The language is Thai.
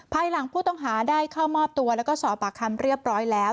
ภายหลังผู้ต้องหาได้เข้ามอบตัวแล้วก็สอบปากคำเรียบร้อยแล้ว